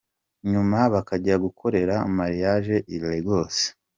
nyuma bakajya gukorera marriage i Lagos.